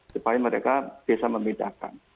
supaya mereka bisa membedakan